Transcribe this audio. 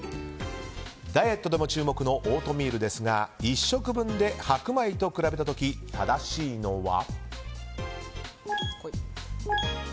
ダイエットでも注目のオートミールですが１食分で白米と比べた時正しいのは？